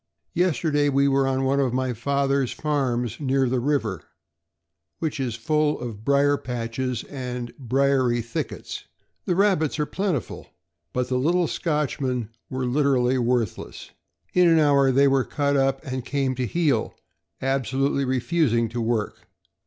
Yesterday we were on one of my father's farms near the river, which is full of brier patches and briery thickets. The rahbits are plentiful, but the little Scotchmen were literally worthless. In an hour they were cut up and came to heel, absolutely refusing to work.